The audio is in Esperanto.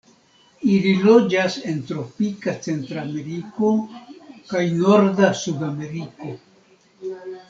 Ili loĝas en tropika Centrameriko kaj norda Sudameriko.